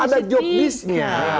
kan ada job list nya